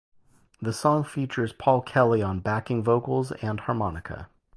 The song features Paul Kelly on backing vocals and harmonica.